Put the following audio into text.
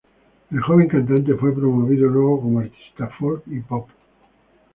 El joven cantante fue promovido luego como artista folk y pop.